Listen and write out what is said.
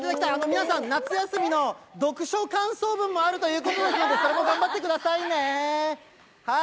皆さん、夏休みの読書感想文もあるということですので、それも頑張ってくださいね。